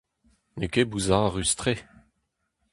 N'eo ket bouzarus-tre.